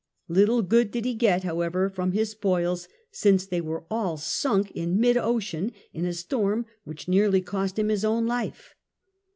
Little good did he get, however, from his spoils, since they were all sunk in mid ocean, in a storm which nearly cost him his own life.